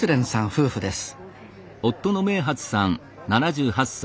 夫婦です